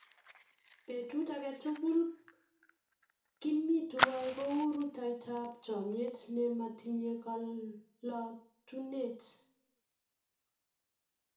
Petut ake tukul kemi twai kou rutoitap chomyet ne matinye kalotunet.